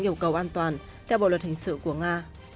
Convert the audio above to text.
yêu cầu an toàn theo bộ luật hình sự của nga